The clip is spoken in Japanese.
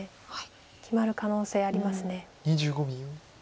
決まる可能性あります。